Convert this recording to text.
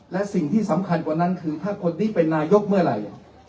และสิ่งที่สำคัญกว่านั้นคือถ้าคนนี้เป็นนายกเมื่อไหร่